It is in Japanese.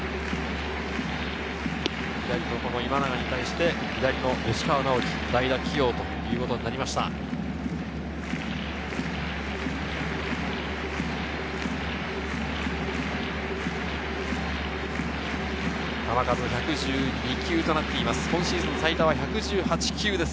左が今永に対して左の吉川尚輝、代打起用ということです。